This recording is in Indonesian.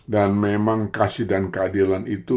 dan memang kasih dan keadilan itu